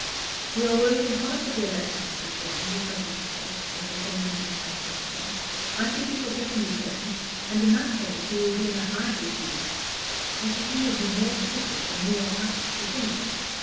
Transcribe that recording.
"We are working hard for the election," said Jermyn, recovering himself, as they turned into the sunshine again. "I think we shall get him returned, and in that case he will be in high good humor. Everything will be more propitious than you are apt to think.